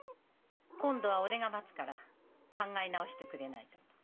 「今度は俺が待つから考え直してくれないか」と。